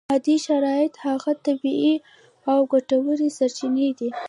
مادي شرایط هغه طبیعي او ګټورې سرچینې دي.